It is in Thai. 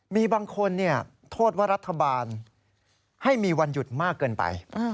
มีบางคนโทษว่ารัฐบาลให้มีวันหยุดมากเกินไป